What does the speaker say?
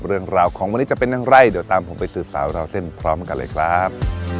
เรื่องราวของวันนี้จะเป็นอย่างไรเดี๋ยวตามผมไปสืบสาวราวเส้นพร้อมกันเลยครับ